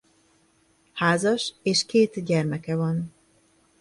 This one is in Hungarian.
Házas és két gyermeke van.